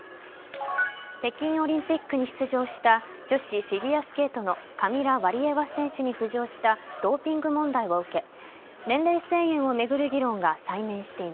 北京オリンピックに出場した女子フィギュアスケートのカミラ・ワリエワ選手に浮上したドーピング問題を受け